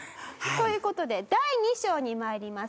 という事で第二章に参ります。